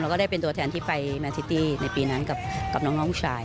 ก็ได้เป็นตัวแทนที่ไปแมนซิตี้ในปีนั้นกับน้องผู้ชาย